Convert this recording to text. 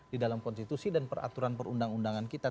di dalam konstitusi dan peraturan perundang undangan kita